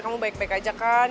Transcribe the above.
kamu baik baik aja kan